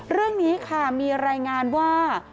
เรื่องนี้ค่ะมีรายงานว่า